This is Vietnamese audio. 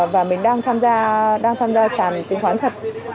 và mình đang tham gia sàn chứng khoán thật